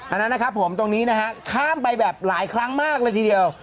อันนั้นตรงนี้ข้ามไปแบบหลายครั้งมากเลยทีเดียว